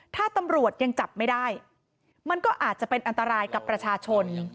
ถ้าตำรวจยังจับไม่ได้มันก็อาจจะเป็นอันตรายกับประชาชน